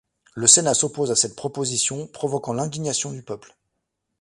Le Sénat s'oppose à cette proposition, provoquant l'indignation du peuple.